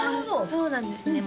そうなんですね